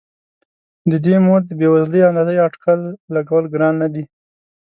د دې مور د بې وزلۍ اندازه یا اټکل لګول ګران نه دي.